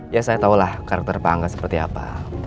ya saya tahulah karakter pak angga seperti apa